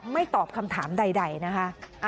ตอบคำถามใดนะคะ